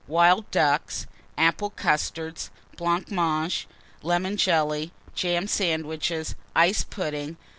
Wild Ducks. Apple Custards. Blancmange. Lemon Jelly. Jam Sandwiches. Ice Pudding.